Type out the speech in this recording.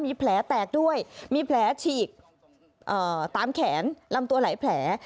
มีแผลแตกด้วยมีแผลฉีกตามแขนลำตัวหลายแผล